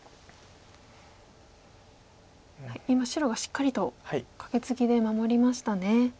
今白がしっかりとカケツギで守りましたね。